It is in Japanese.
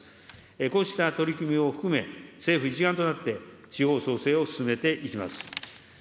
こうした取り組みを含め、政府一丸となって、地方創生を進めていきます。